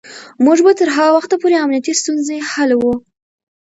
موږ به تر هغه وخته پورې امنیتی ستونزې حلوو.